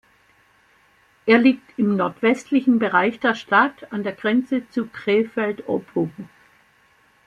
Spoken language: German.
Er liegt im nordwestlichen Bereich der Stadt an der Grenze zu Krefeld-Oppum.